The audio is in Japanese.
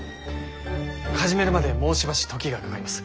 始めるまでもうしばし時がかかります。